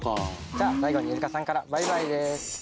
じゃあ最後にイルカさんからバイバイです。